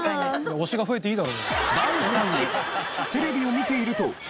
推しが増えていいだろ。